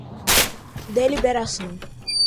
deliberação